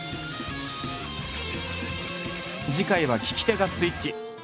次回は聞き手がスイッチ。